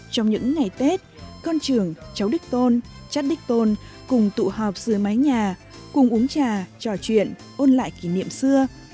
trong những ngày tết con trưởng cháu đức tôn chát đích tôn cùng tụ họp dưới mái nhà cùng uống trà trò chuyện ôn lại kỷ niệm xưa